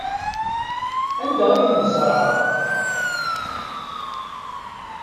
Anda ay ten-tzerɛeḍ?